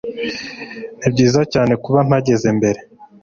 Nibyiza Cyane kuba mpageze mbere